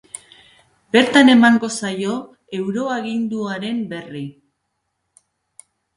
Bertan emango zaio euroaginduaren berri.